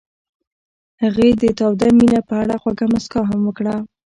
هغې د تاوده مینه په اړه خوږه موسکا هم وکړه.